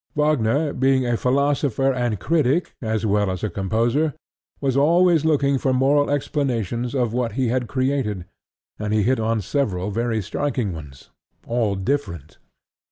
Wagner, being a philosopher and critic as well as a composer, was always looking for moral explanations of what he had created and he hit on several very striking ones, all different.